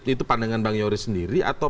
itu pandangan bang yoris sendiri atau